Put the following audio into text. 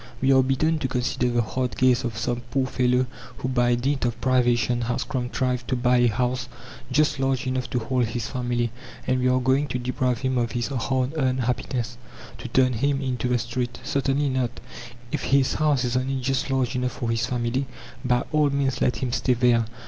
We are bidden to consider the hard case of some poor fellow who by dint of privation has contrived to buy a house just large enough to hold his family. And we are going to deprive him of his hard earned happiness, to turn him into the street! Certainly not. If his house is only just large enough for his family, by all means let him stay there.